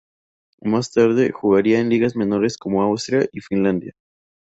Más tarde, jugaría en ligas menores como Austria y Finlandia.